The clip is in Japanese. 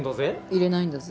入れないんだぜ。